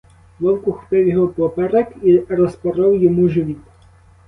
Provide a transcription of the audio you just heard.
Вовк ухопив його впоперек і розпоров йому живіт.